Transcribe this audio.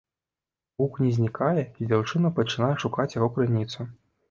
Гук не знікае, і дзяўчына пачынае шукаць яго крыніцу.